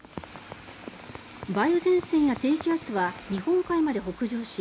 梅雨前線や低気圧は日本海まで北上し